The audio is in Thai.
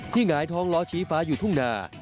หงายท้องล้อชี้ฟ้าอยู่ทุ่งนา